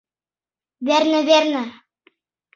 — Верне, верне...